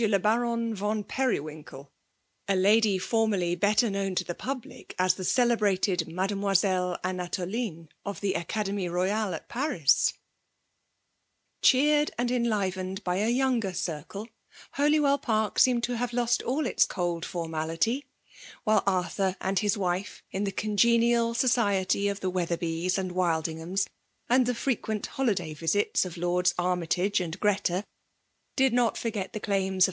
le Baron von Periwinkel,— a lady formerly better known to the public as the celebrated Mademoiselle Anatoline, of the Acad^mie Boyale at Paris ! Cheered and enlivened by a younger circle, Holywell Park seemed to have lost all its cold formality; while Arthur and his wife, in the congenial society of the Wetherbys and Wildinghams, and the frequent holiday visits of Lords Ar 330 FSMALB DOMINATION. mytage and Gxeta> did not forget die daiim of.